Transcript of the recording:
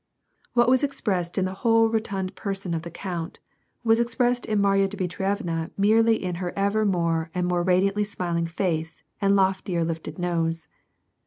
What was expressed in the whole rotund person of the count, was expressed in Marya Dmitrievna merely in her ever more and more radiantly smiling face and loftier lifted nose